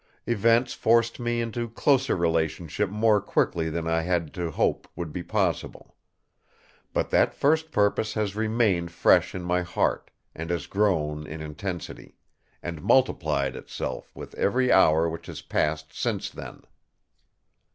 Events forced me into closer relationship more quickly than I had to hope would be possible; but that first purpose has remained fresh in my heart, and has grown in intensity, and multiplied itself with every hour which has passed since then."